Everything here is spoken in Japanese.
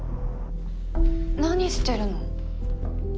何してるの？